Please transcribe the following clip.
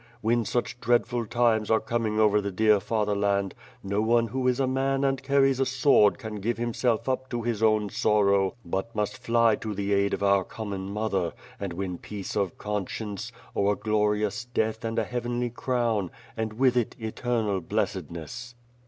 When such dreadful times are coming over the dear fatherland, no one who is a man and carries a sword can give himself up to his own sorrow but must fly to the aid of our common mother, and win peace of conscience, or a glorious death and a heavenly crown, and with it eternal blessedness."